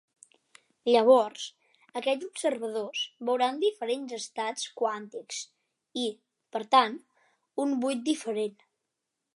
Llavors, aquests observadors veuran diferents estats quàntics i, per tant, un buit diferent.